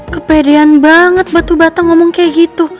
kepedean banget batu bata ngomong kayak gitu